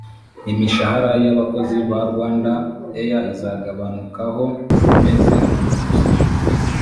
imishahara y’abakozi ba rwandair izagabanukaho % amezi atatu gusa